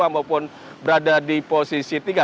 maupun berada di posisi tiga